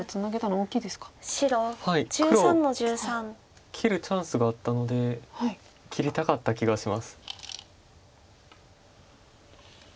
はい黒切るチャンスがあったので切りたかった気がします。